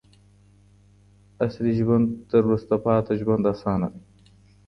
عصري ژوند تر وروسته پاتې ژوند اسانه دی.